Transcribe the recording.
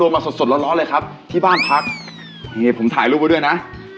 มาสดร้อนเลยครับที่บ้านพักเฮ้ผมถ่ายรูปเข้าด้วยน่ะ